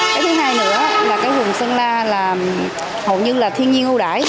cái thứ hai nữa là cái vùng sơn la là hầu như là thiên nhiên ưu đải